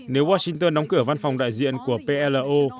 nếu washington đóng cửa văn phòng đại diện của plo